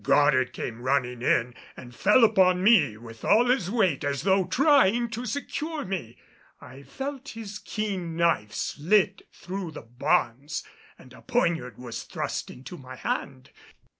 Goddard came running in and fell upon me with all his weight as though trying to secure me. I felt his keen knife slit through the bonds and a poniard was thrust into my hand.